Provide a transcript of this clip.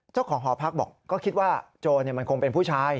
เจ้าของหอพักบอกก็คิดว่าโจรมันคงเป็นผู้ชาย